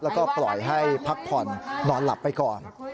แล้วก็ปล่อยให้พักผ่อนนอนหลับไปก่อน